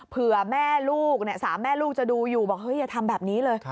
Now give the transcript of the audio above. เผื่อแม่ลูก๓แม่ลูกจะดูอยู่บอกเฮ้ยอย่าทำแบบนี้เลย